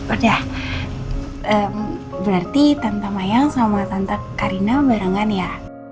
udah berarti tanpa mayang sama tante karina barengan ya